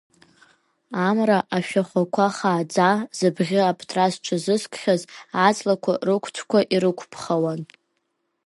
Амра ашәахәақәа хааӡа зыбӷьы аптра зҽазызкхьаз аҵлақәа рықәцәқәа ирықәԥхауан.